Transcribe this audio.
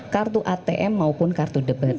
kartu atm maupun kartu debat